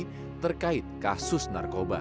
memperoleh kasus narkoba